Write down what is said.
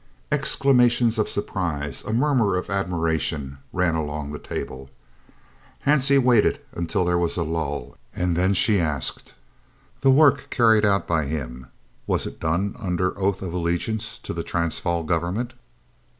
Exclamations of surprise, a murmur of admiration, ran along the table. Hansie waited until there was a lull, and then she asked: "The work carried out by him, was it done under oath of allegiance to the Transvaal Government?"